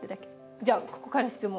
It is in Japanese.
じゃあここから質問。